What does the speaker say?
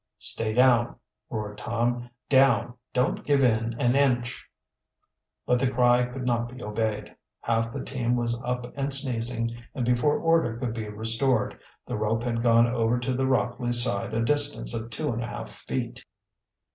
"Stay down!" roared Tom. "Down! Don't give in an inch!" But the cry could not be obeyed. Half the team was up and sneezing and before order could be restored the rope had gone over to the Rockleys' side a distance of two and a half feet.